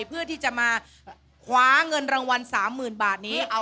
เพื่อที่จะมาคว้าเงินรางวัล๓๐๐๐บาทนี้